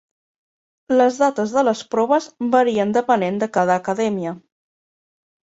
Les dates de les proves varien depenent de cada acadèmia.